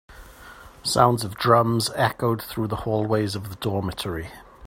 Sounds of drums echoed through the hallways of the dormitory.